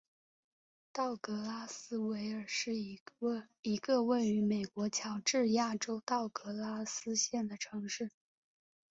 道格拉斯维尔是一个位于美国乔治亚州道格拉斯县的城市。